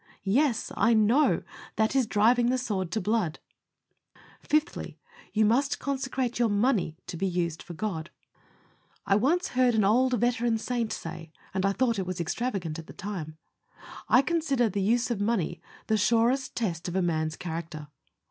Yes; I know that is driving the sword to blood. Fifthly. You must consecrate your money to be used for God. I once heard an old veteran saint say, and I thought it was extravagant at the time, "I consider the use of money the surest test of a man's character."